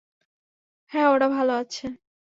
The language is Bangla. হ্যাঁ, ওরা ভালো আছে।